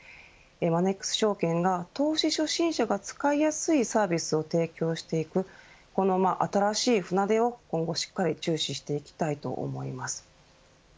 マネックス証券が投資初心者が使いやすいサービスを提供していくこの新しい船出を今後しっかり注視していきたいと思います。